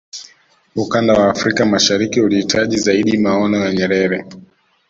ukanda wa afrika mashariki ulihitaji zaidi maono ya nyerere